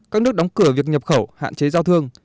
các nước đóng cửa việc nhập khẩu hạn chế giao thương